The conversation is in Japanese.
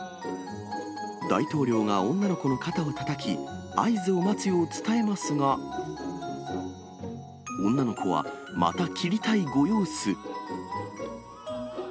大統領が女の子の肩をたたき、合図を待つよう伝えますが、女の子はまた切りたいご様子。